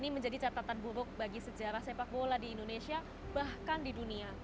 ini menjadi catatan buruk bagi sejarah sepak bola di indonesia bahkan di dunia